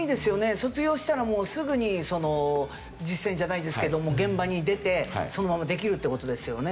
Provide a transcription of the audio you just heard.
卒業したらもうすぐに実践じゃないですけども現場に出てそのままできるって事ですよね。